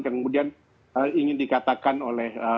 kemudian ingin dikatakan oleh